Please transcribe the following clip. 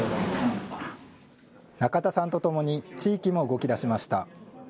仲田さんと共に、地域も動きだしました。